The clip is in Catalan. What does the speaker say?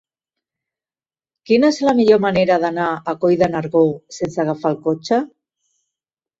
Quina és la millor manera d'anar a Coll de Nargó sense agafar el cotxe?